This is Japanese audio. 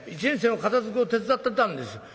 １年生の片づけを手伝ってたんです。